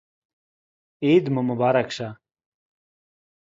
عید مو مبارک شه